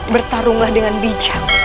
bertarunglah dengan bijak